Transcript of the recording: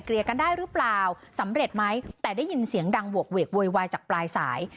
กันได้หรือเปล่าสำเร็จไหมแต่ได้ยินเสียงดังโหวกเวกโวยวายจากปลายสาย